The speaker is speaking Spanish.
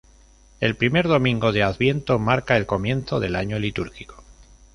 El primer domingo de Adviento marca el comienzo del año litúrgico.